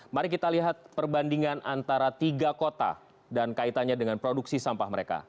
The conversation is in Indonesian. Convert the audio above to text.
mari kita lihat perbandingan antara tiga kota dan kaitannya dengan produksi sampah mereka